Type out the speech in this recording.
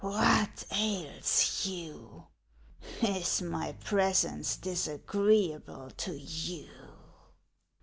" What ails you ? Is my presence disagreeable to you